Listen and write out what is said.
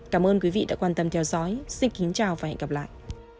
cảm ơn quý vị đã quan tâm theo dõi xin kính chào và hẹn gặp lại